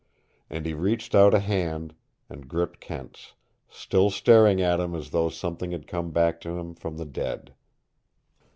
And he reached out a hand and gripped Kent's, still staring at him as though something had come back to him from the dead.